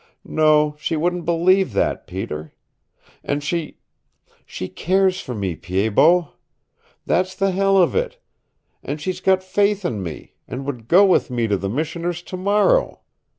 No, she wouldn't believe that, Peter. And she she cares for me, Pied Bot. That's the hell of it! And she's got faith in me, and would go with me to the Missioner's tomorrow.